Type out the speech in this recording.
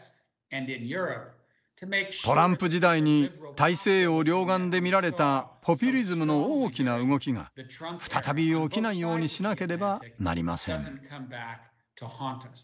トランプ時代に大西洋両岸で見られたポピュリズムの大きな動きが再び起きないようにしなければなりません。